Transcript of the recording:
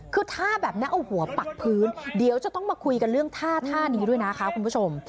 คือท่าแบบนี้เอาหัวปักพื้นเดี๋ยวจะต้องมาคุยกันเรื่องท่าท่านี้ด้วยนะคะคุณผู้ชม